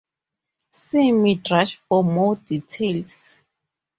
See Midrash for more details.